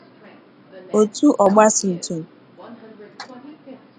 otu ọgbatumtum